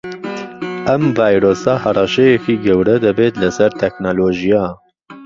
ئەم ڤایرۆسە هەڕەشەیەکی گەورە دەبێت لەسەر تەکنەلۆژیا